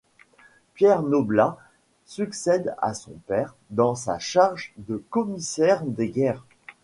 Pierre Noblat succède à son père dans sa charge de commissaire des guerres.